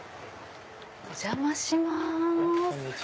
お邪魔します。